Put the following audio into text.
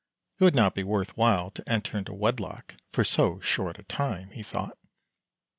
It would not be worth while to enter into wedlock for so short a time, he thought.